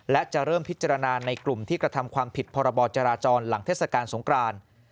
และจะเริ่มพิจารณาในกลุ่มที่กระทำความผิดพรบจราจรหลังเทศกาลสงคราน